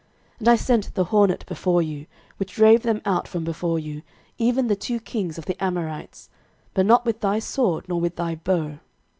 06:024:012 And I sent the hornet before you, which drave them out from before you, even the two kings of the Amorites; but not with thy sword, nor with thy bow.